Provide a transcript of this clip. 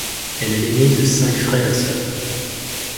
Elle est l’ainée de cinq frères et sœurs.